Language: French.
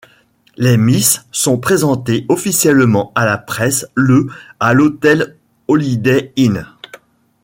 Les Miss sont présentées officiellement à la presse le à l'hôtel Holiday Inn.